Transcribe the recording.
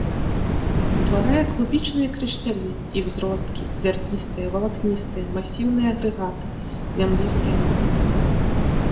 Утварае кубічныя крышталі, іх зросткі, зярністыя, валакністыя, масіўныя агрэгаты, зямлістыя масы.